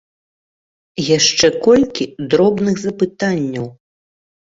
Яшчэ колькі дробных запытанняў.